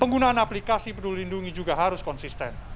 penggunaan aplikasi peduli lindungi juga harus konsisten